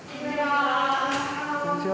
こんにちは。